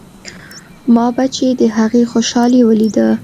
ما به چې د هغې خوشالي وليده.